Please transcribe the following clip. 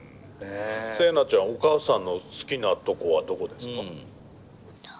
セイナちゃんお母さんの好きなとこはどこですか？